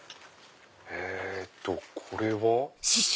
えっとこれは？